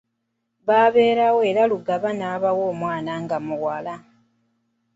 Baberawo era Lugaba n’abawa omwana nga muwala.